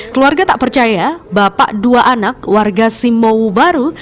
keluarga tak percaya bapak dua anak warga simowu baru